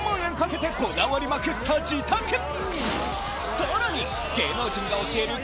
さらに！